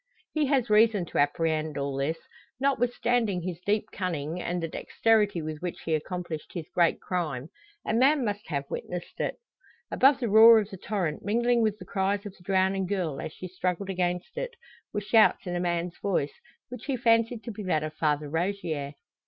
He has reason to apprehend all this. Notwithstanding his deep cunning, and the dexterity with which he accomplished his great crime, a man must have witnessed it. Above the roar of the torrent, mingling with the cries of the drowning girl as she struggled against it, were shouts in a man's voice, which he fancied to be that of Father Rogier.